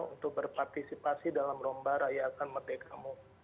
untuk berpartisipasi dalam lomba rayakan merdekamu